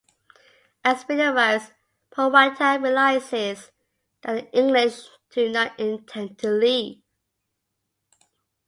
As spring arrives, Powhatan realizes that the English do not intend to leave.